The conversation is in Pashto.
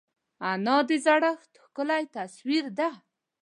انا د زړښت ښکلی تصویر ده